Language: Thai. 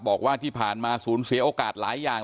บอกว่าที่ผ่านมาศูนย์เสียโอกาสหลายอย่าง